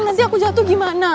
nanti aku jatuh gimana